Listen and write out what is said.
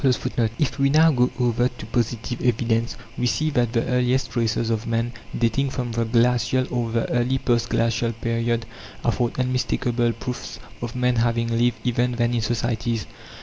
(3) If we now go over to positive evidence, we see that the earliest traces of man, dating from the glacial or the early post glacial period, afford unmistakable proofs of man having lived even then in societies.